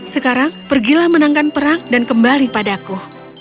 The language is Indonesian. sekarang pergilah menangkan perang dan kembali padaku